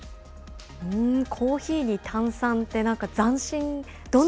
コーヒーに炭酸って、なんか斬新。